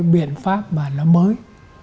biện pháp mà nó mới